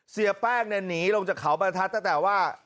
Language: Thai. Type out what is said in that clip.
เสียแป้งเนี่ยหนีลงจากเขาบรรทัศน์ตั้งแต่ว่า